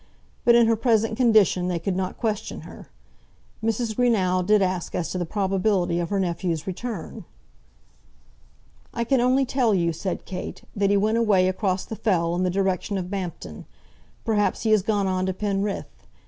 But in her present condition they could not question her. Mrs. Greenow did ask as to the probability of her nephew's return. "I can only tell you," said Kate, "that he went away across the Fell in the direction of Bampton. Perhaps he has gone on to Penrith.